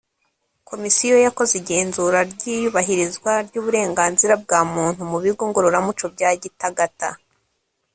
komisiyo yakoze igenzura ry' iyubahirizwa ry' uburenganzira bwa muntu mu bigo ngororamuco bya gitagata